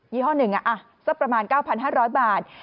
ี่ห้อหนึ่งสักประมาณ๙๕๐๐บาท